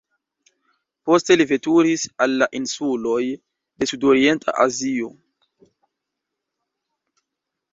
Poste li veturis al la insuloj de Sudorienta Azio.